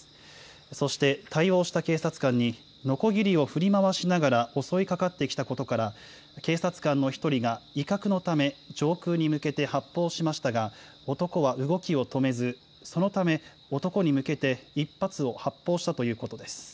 そして、対応した警察官に、のこぎりを振り回しながら襲いかかってきたことから、警察官の１人が威嚇のため上空に向けて発砲しましたが、男は動きを止めず、そのため、男に向けて１発を発砲したということです。